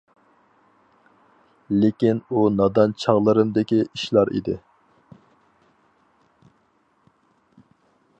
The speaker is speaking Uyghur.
لېكىن ئۇ نادان چاغلىرىمدىكى ئىشلار ئىدى.